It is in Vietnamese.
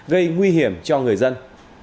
gây nguy hiểm cho người dân